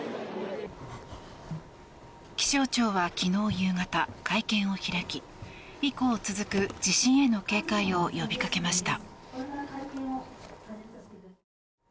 気象庁は昨日夕方、会見を開き以降続く地震への警戒を呼びかけました。